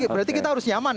berarti kita harus nyaman ya